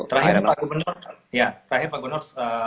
terakhir pak gubernur